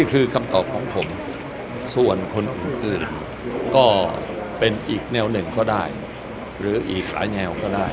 คือคำตอบของผมส่วนคนอื่นอื่นก็เป็นอีกแนวหนึ่งก็ได้หรืออีกหลายแนวก็ได้